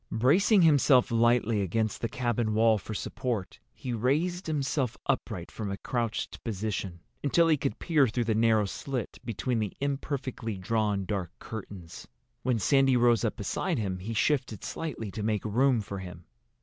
Bracing himself lightly against the cabin wall for support, he raised himself upright from a crouched position, until he could peer through the narrow slit between the imperfectly drawn dark curtains. When Sandy rose up beside him he shifted slightly to make room for him.